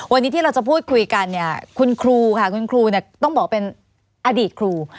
วันนี้ที่เราจะพูดคุยกันเนี่ยคุณครูค่ะคุณครูเนี่ยต้องบอกเป็นอดีตครู